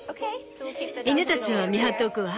犬たちは見張っておくわ。